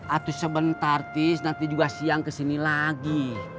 atuh sebentar atis nanti juga siang kesini lagi